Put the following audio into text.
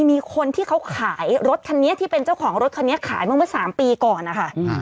มีคนที่เขาขายรถคันนี้ที่เป็นเจ้าของรถคันนี้ขายมาเมื่อ๓ปีก่อนนะคะ